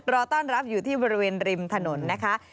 รอต้อนรับอยู่ที่บริเวณริมถนนนะคะ